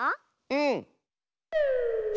うん！